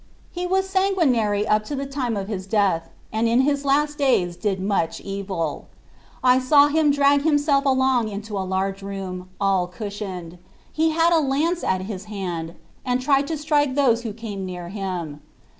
He was sanguinary up to the time of his death, and in his last days did much evil. I saw him drag him self along into a large room all cushioned. He had a lance at hand and tried to strike those who came near him.